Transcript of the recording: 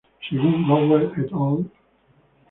Según Gower "et al.